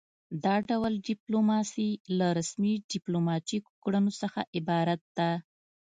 دا ډول ډیپلوماسي له رسمي ډیپلوماتیکو کړنو څخه عبارت ده